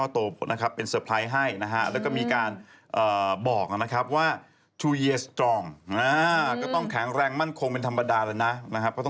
บอกว่าตอนนี้ก็คือว่าคุณป๊อกก็สวีตต์หวานมากนะครับ